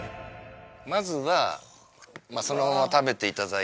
まずはそのまま食べていただいて。